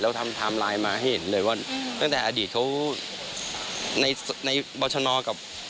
เราทำตามไลน์มาให้เห็นเลยว่าตั้งแต่อดีตเขาในเบาช์ชนอดกับ